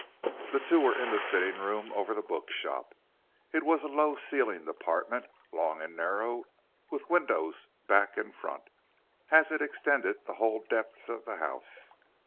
The two were in the sitting room over the bookshop. It was a low ceilinged apartment, long and narrow, with windows back and front, as it extended the whole depth of the house.